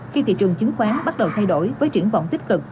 khi thị trường chứng khoán bắt đầu thay đổi với triển vọng tích cực